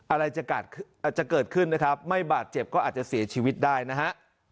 อะไรจะอาจจะเกิดขึ้นนะครับไม่บาดเจ็บก็อาจจะเสียชีวิตได้นะฮะ